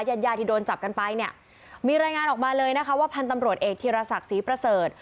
เย็นที่โดนจับกันไปมีรายงานออกมาเลยว่าพันธุ์ตำรวจเอกธีรศักดิ์ศรีประเสริฐ